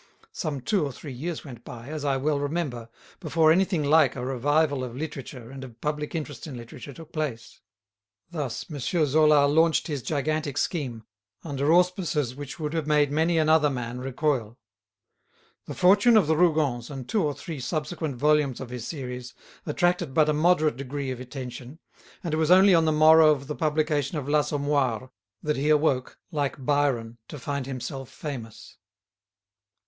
Some two or three years went by, as I well remember, before anything like a revival of literature and of public interest in literature took place. Thus, M. Zola launched his gigantic scheme under auspices which would have made many another man recoil. "The Fortune of the Rougons," and two or three subsequent volumes of his series, attracted but a moderate degree of attention, and it was only on the morrow of the publication of "L'Assommoir" that he awoke, like Byron, to find himself famous.